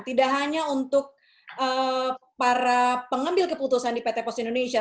tidak hanya untuk para pengambil keputusan di pt pos indonesia